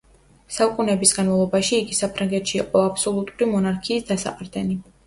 საუკუნეების განმავლობაში იგი საფრანგეთში იყო აბსოლუტური მონარქიის დასაყრდენი.